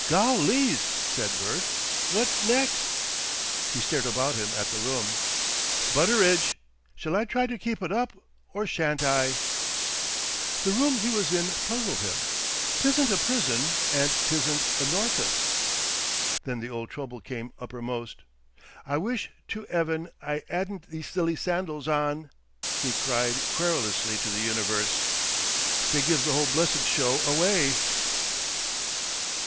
"Gollys!" said Bert. "What next?" He stared about him at the room. "Butteridge! Shall I try to keep it up, or shan't I?" The room he was in puzzled him. "'Tisn't a prison and 'tisn't a norfis?" Then the old trouble came uppermost. "I wish to 'eaven I 'adn't these silly sandals on," he cried querulously to the universe. "They give the whole blessed show away."